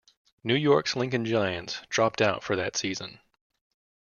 New York's Lincoln Giants dropped out for that season.